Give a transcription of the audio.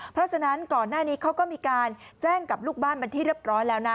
เพราะฉะนั้นก่อนหน้านี้เขาก็มีการแจ้งกับลูกบ้านเป็นที่เรียบร้อยแล้วนะ